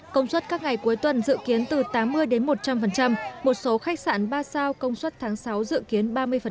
công suất các ngày cuối tuần dự kiến từ tám mươi đến một trăm linh một số khách sạn ba sao công suất tháng sáu dự kiến ba mươi